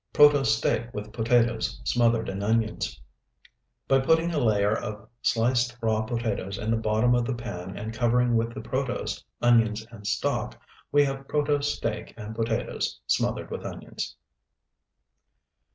PROTOSE STEAK WITH POTATOES SMOTHERED IN ONIONS By putting a layer of sliced raw potatoes in the bottom of the pan and covering with the protose, onions, and stock, we have protose steak and potatoes smothered with onions.